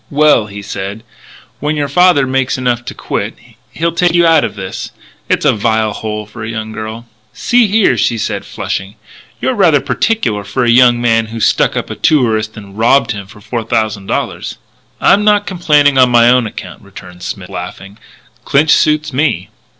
"Well," he said, "when your father makes enough to quit, he'll take you out of this. It's a vile hole for a young girl " "See here," she said, flushing; "you're rather particular for a young man who stuck up a tourist and robbed him of four thousand dollars." "I'm not complaining on my own account," returned Smith, laughing; "Clinch's suits me."